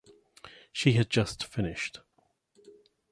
She had just finished.